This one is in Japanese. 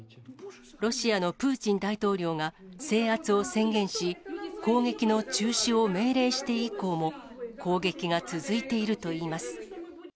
ロシアのプーチン大統領が制圧を宣言し、攻撃の中止を命令して以降も、攻撃が続いているといいます。